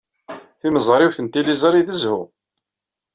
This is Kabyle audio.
Timeẓriwt n tliẓri d zzhu.